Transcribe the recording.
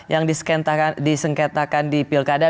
yang disengketakan di pilkada